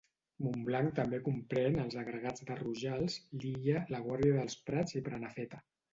Montblanc també comprèn els agregats de Rojals, Lilla, La Guàrdia dels Prats i Prenafeta.